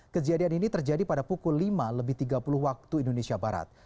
kejadian ini terjadi pada pukul lima lebih tiga puluh waktu indonesia barat